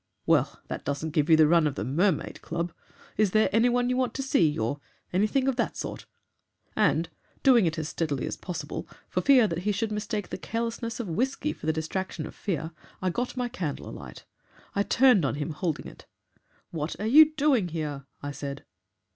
"'Well, that doesn't give you the run of the Mermaid Club. Is there any one you want to see, or anything of that sort?' and doing it as steadily as possible for fear that he should mistake the carelessness of whisky for the distraction of fear, I got my candle alight. I turned on him, holding it. 'What are you doing here?' I said.